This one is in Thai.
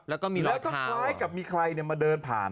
แล้วก็คล้ายกับมีใครเนี่ยมาเดินผ่าน